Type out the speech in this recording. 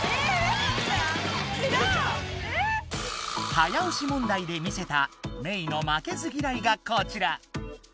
早押し問題で見せたメイの負けず嫌いがこちら。